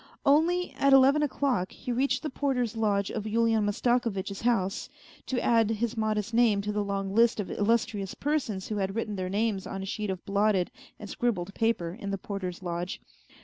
Only at eleven o'clock he reached the porter's lodge of Yulian Mastakovitch's house, to add his modest name to the long list of illustrious persons who had written their names on a sheet of blotted and scribbled paper in the porter's lodge.